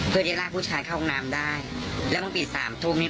เพื่อจะลากผู้ชายเข้าห้องน้ำได้แล้วบางทีสามทุ่มนี้